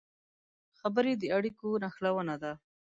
خبرې د اړیکو نښلونه ده